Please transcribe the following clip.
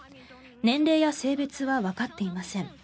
年齢や性別はわかっていません。